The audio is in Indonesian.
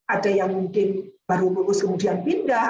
ada yang mungkin baru lulus kemudian pindah